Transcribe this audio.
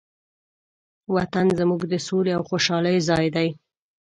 وطن زموږ د سولې او خوشحالۍ ځای دی.